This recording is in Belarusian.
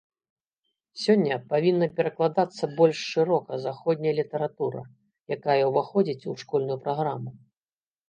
Сёння павінна перакладацца больш шырока заходняя літаратура, якая ўваходзіць у школьную праграму.